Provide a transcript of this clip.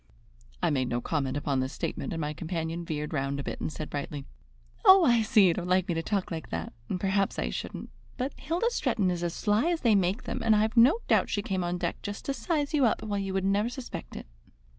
I made no comment upon this statement, and my companion veered round a bit and said brightly: "Oh, I see you don't like me to talk like that, and perhaps I shouldn't, but Hilda Stretton is as sly as they make them, and I've no doubt she came on deck just to size you up, while you would never suspect it."